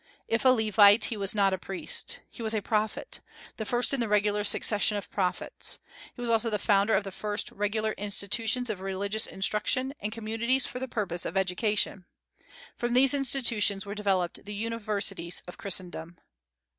If a Levite, he was not a priest. He was a prophet, the first in the regular succession of prophets. He was also the founder of the first regular institutions of religious instruction, and communities for the purposes of education. From these institutions were developed the universities of Christendom."